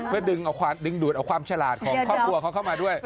เพื่อดึงดูดเอาความฉลาดของครอบครัวเขาเข้ามาด้วย